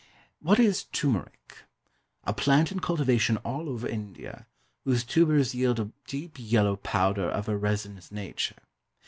What is TURMERIC? A plant in cultivation all over India, whose tubers yield a deep yellow powder of a resinous nature.